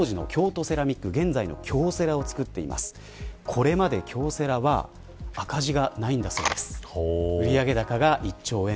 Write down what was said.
これまで京セラは赤字がないんだそうです。